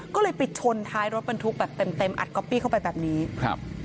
ก็เลยไปชนท้ายรถบรรทุกแบบเต็มเต็มอัดก๊อปปี้เข้าไปแบบนี้ครับ